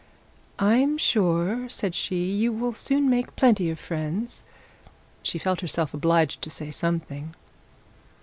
'I'm sure,' said she, 'you will soon make plenty of friends.' She felt herself obliged to say something.